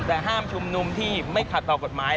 แต่ห้ามชุมนุมที่ไม่ขัดต่อกฎหมาย